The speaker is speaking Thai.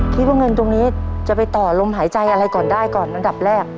คิดว่าเงินตรงนี้จะไปต่อลมหายใจอะไรก่อนได้ก่อนอันดับแรก